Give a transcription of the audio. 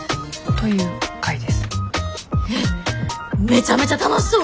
えっめちゃめちゃ楽しそう！